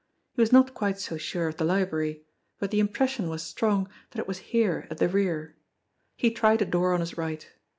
He was not quite so sure of the library, but the impression was strong that it was here at the rear. He tried a door on his right.